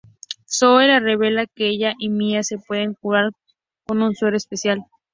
Zoe le revela que ella y Mia se pueden curar con un suero especial.